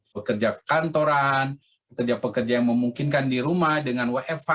pekerja kantoran pekerja pekerja yang memungkinkan di rumah dengan wfh